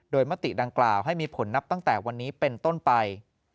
มติดังกล่าวให้มีผลนับตั้งแต่วันนี้เป็นต้นไป